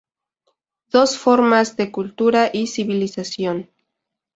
Dos formas de cultura y civilización.